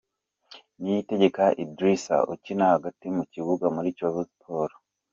Niyitegeka Idrissa ukina hagati mu kibuga muri Kiyovu Sport.